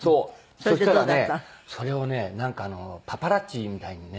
そしたらねそれをねなんかパパラッチみたいなのにね